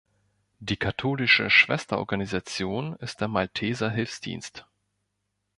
Die katholische Schwesterorganisation ist der Malteser Hilfsdienst.